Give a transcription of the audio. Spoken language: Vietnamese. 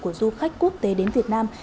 của du khách quốc tế đến việt nam